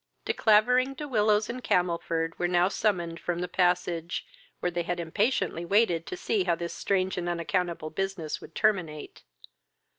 De Clavering, De Willows, and Camelford, were now summoned from the passage, where they had impatiently waited to see how this strange and unaccountable business would terminate.